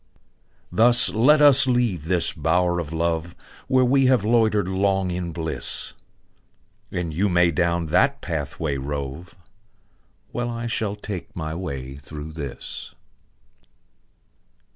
Thus let us leave the bower of love, Where we have loitered long in bliss; And you may down that pathway rove, While I shall take my way through this.